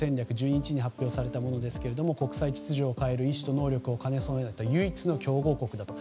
１２日に発表されましたが国際秩序を変える意思と能力を兼ね備えた唯一の競合国だと。